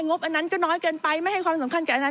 บอันนั้นก็น้อยเกินไปไม่ให้ความสำคัญกับอันนั้น